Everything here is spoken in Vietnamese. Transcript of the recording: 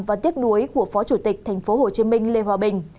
và tiếc nuối của phó chủ tịch tp hcm lê hòa bình